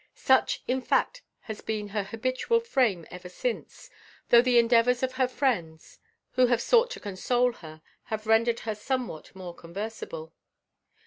Such in fact has been her habitual frame ever since; though the endeavors of her friends, who have sought to console her, have rendered her somewhat more conversable.